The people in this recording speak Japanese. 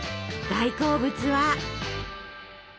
大好物は。